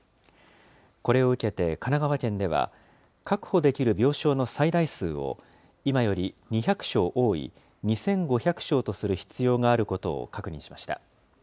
これを受けて神奈川県では、確保できる病床の最大数を今より２００床多い２５００床とする必要があることを確認しました。